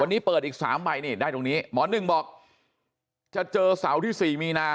วันนี้เปิดอีก๓ใบนี่ได้ตรงนี้หมอหนึ่งบอกจะเจอเสาร์ที่๔มีนา